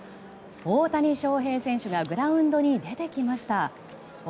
大谷翔平選手がグラウンドに出てきました。